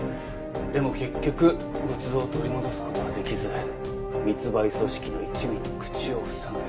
でも結局仏像を取り戻す事ができず密売組織の一味に口を塞がれた。